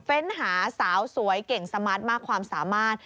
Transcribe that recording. ้นหาสาวสวยเก่งสมาร์ทมากความสามารถ